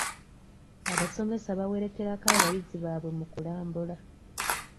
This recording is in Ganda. Abasomesa bawerekerako abayizi baabwe mu kulambula.